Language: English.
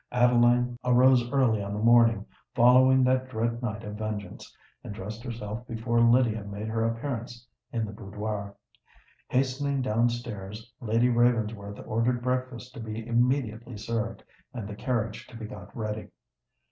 Adeline arose early on the morning following that dread night of vengeance, and dressed herself before Lydia made her appearance in the boudoir. Hastening down stairs, Lady Ravensworth ordered breakfast to be immediately served, and the carriage to be got ready.